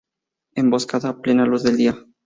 Emboscada a plena luz del día.